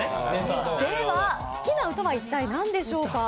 では好きな歌は一体何でしょうか？